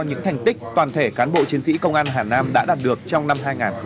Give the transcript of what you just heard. những thành tích toàn thể cán bộ chiến sĩ công an hà nam đã đạt được trong năm hai nghìn hai mươi ba